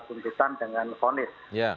putusan dengan vonis